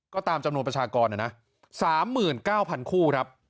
ก็ตามจำนวนประชากรนะนะ๓๙๐๐คู่ครับ